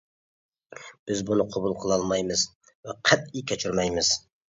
بىز بۇنى قوبۇل قىلالمايمىز ۋە قەتئىي كەچۈرمەيمىز.